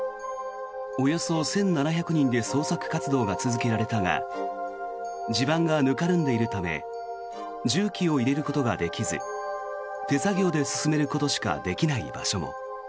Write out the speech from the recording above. およそ１７００人で捜索活動が続けられたが地盤がぬかるんでいるため重機を入れることができず手作業で進めることしかできない場所も。